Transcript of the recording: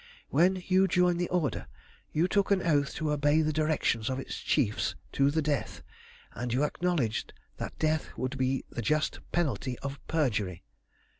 When you joined the Order, you took an oath to obey the directions of its chiefs to the death, and you acknowledged that death would be the just penalty of perjury.